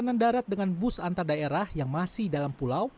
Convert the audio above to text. perjalanan darat dengan bus antardaerah yang masih dalam pulau